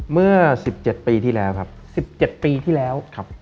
เมื่อ๑๗ปีที่แล้วครับ